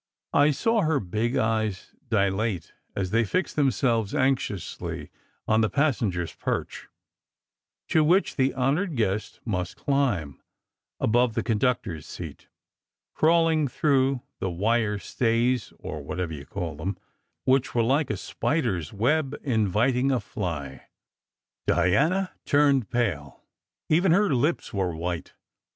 I saw her big eyes dilate as they fixed themselves anxiously on the passenger s perch, to which the honoured guest must climb, above the conductor s seat, crawling through the wire stays, or whatever you call them, which were like a spider s web inviting a fly. Diana turned pale. Even her lips were white.